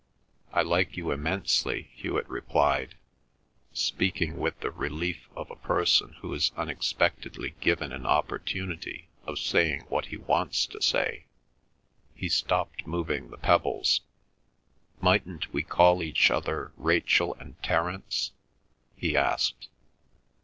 "I like you immensely," Hewet replied, speaking with the relief of a person who is unexpectedly given an opportunity of saying what he wants to say. He stopped moving the pebbles. "Mightn't we call each other Rachel and Terence?" he asked.